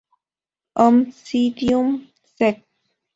Oncidium sect.